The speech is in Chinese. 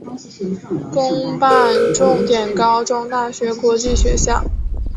公办重点高中大学国际学校